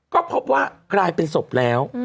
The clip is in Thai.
ก็พบว่ากลายเป็นศพแล้ว